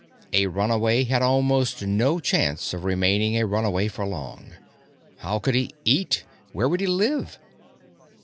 A runaway had almost no chance of remaining a runaway for long. How would he eat? Where would he live?